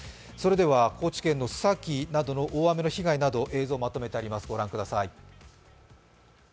高知県の須崎の大雨の被害など映像をまとめてあります、御覧ください。